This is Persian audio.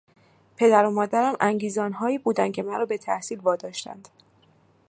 پدر و مادرم انگیزانهایی بودند که مرا به تحصیل وا داشتند.